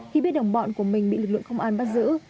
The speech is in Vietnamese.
khi biết đồng bọn của mình bị lực lượng công an bắt giữ